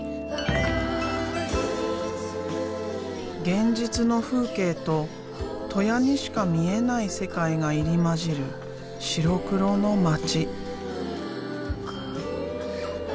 現実の風景と戸舎にしか見えない世界が入り交じる白黒の街。